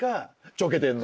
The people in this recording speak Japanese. ちょけてんの。